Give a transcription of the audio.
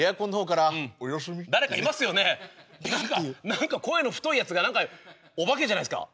何か声の太いやつが何かお化けじゃないですか？